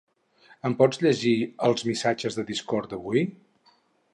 Em pots llegir els missatges de Discord d'avui?